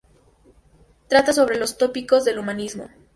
Trata sobre los tópicos del humanismo.